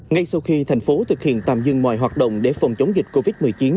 ngay sau khi thành phố thực hiện tạm dừng mọi hoạt động để phòng chống dịch covid một mươi chín